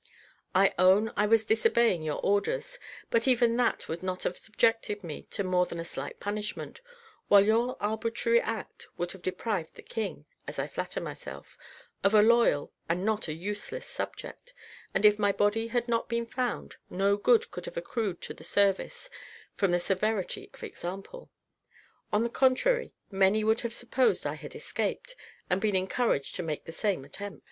I own I was disobeying your orders, but even that would not have subjected me to more than a slight punishment, while your arbitrary act would have deprived the king, as I flatter myself, of a loyal, and not a useless subject; and if my body had not been found, no good could have accrued to the service from the severity of example. On the contrary, many would have supposed I had escaped, and been encouraged to make the same attempt."